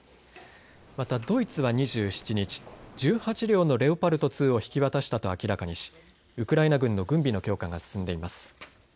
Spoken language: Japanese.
またドイツは２７日、１８両のレオパルト２を引き渡したと明らかにしウクライナ軍の軍備の強化が進んでいます。